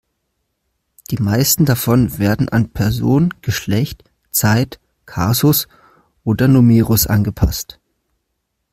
Die meisten davon werden an Person, Geschlecht, Zeit, Kasus oder Numerus angepasst.